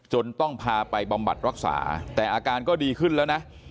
ต้องพาไปบำบัดรักษาแต่อาการก็ดีขึ้นแล้วนะ